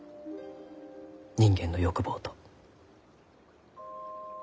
人間の欲望と。